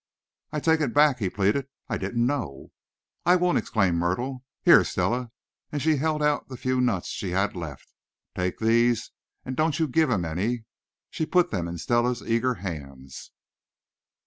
"I take it back," he pleaded. "I didn't know." "I won't!" exclaimed Myrtle. "Here, Stella," and she held out the few nuts she had left, "take these, and don't you give him any!" She put them in Stella's eager hands.